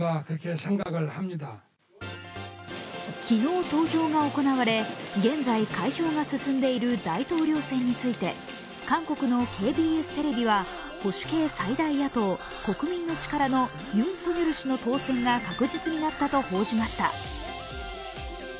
昨日投票が行われ、現在、開票が進んでいる大統領選について、韓国のＫＢＳテレビは保守系最大野党国民の力のユン・ソギョル氏の当選が確実になったと報じました。